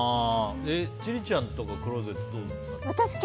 千里ちゃんとかクローゼットは。